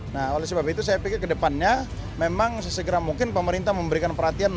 nah oleh sebab itu saya pikir ke depannya memang sesegera mungkin pemerintah memberikan perhatian